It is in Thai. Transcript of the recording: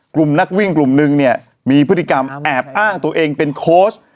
กลุ่มนักวิ่งกลุ่มนึงเนี่ยมีพฤติกรรมแอบอ้างตัวเองเป็นโค้ช